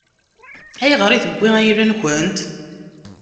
Ayɣer i tewwi ayla-nkent?